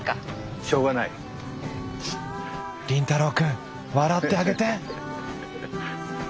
凛太郎くん笑ってあげて！